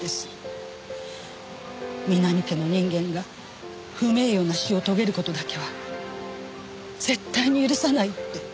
南家の人間が不名誉な死を遂げる事だけは絶対に許さないって。